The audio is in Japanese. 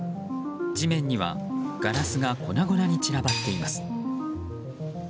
地面にはガラスが粉々に散らばっています。